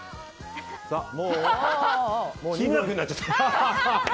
日村君になっちゃった。